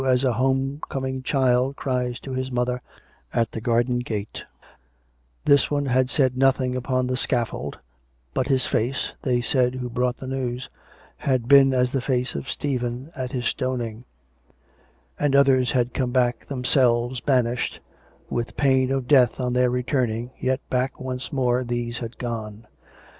275 as a home coming child cries to his mother at the garden gate; this one had said nothing upon the scaffold, but his face (they said who brought the news) had been as the face of Stephen at his stoning; and others had come back themselves, banished, with pain of death on their returning, yet back once more these had gone.